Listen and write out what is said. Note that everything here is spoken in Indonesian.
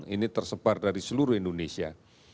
ini tersebar dari seluruh indonesia